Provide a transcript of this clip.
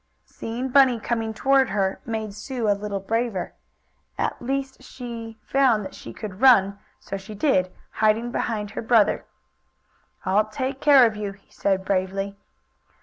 Seeing Bunny coming toward her made Sue a little braver. At least she found that she could run, so she did, hiding behind her brother. "I'll take care of you," he said bravely.